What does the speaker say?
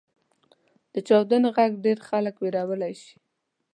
• د چاودنې ږغ ډېری خلک وېرولی شي.